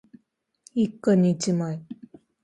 一家に一枚